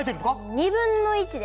２分の１で。